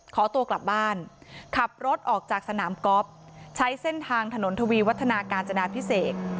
ขอตัวกลับบ้านขับรถออกจากสนามกอล์ฟใช้เส้นทางถนนทวีวัฒนาการจนาพิเศษ